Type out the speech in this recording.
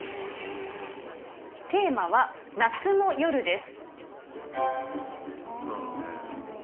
テーマは夏の夜です。